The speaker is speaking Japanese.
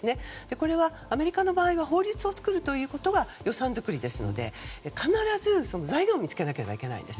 これはアメリカの場合は法律を作るということが予算作りですので必ず材料を見つけなければいけないんです。